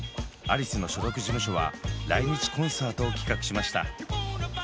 アリスの所属事務所は来日コンサートを企画しました。